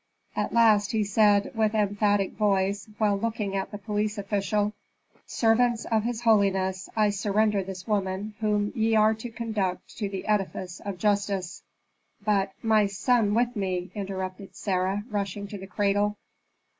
At last he said, with emphatic voice, while looking at the police official, "Servants of his holiness, I surrender this woman, whom ye are to conduct to the edifice of justice " "But my son with me!" interrupted Sarah, rushing to the cradle.